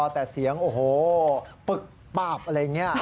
แต่เสียงโอ้โหปึ๊กป๊าบอะไรอย่างนี้